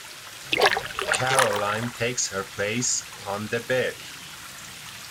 Caroline takes her place on the bed.